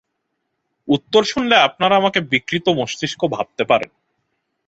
উত্তর শুনলে আপনারা আমাকে বিকৃতমস্তিষ্ক ভাবতে পারেন।